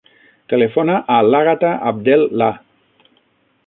Telefona a l'Àgata Abdel Lah.